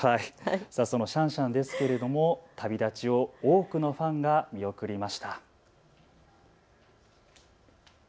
そのシャンシャンですけれども旅立ちを多くのファンが見送りました。